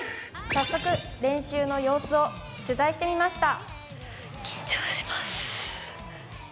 早速、練習の様子を取材してみました。